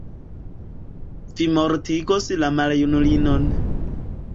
Vi mortigos la maljunulinon.